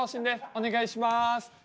お願いします。